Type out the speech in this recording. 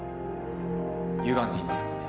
ゆがんでいますがね。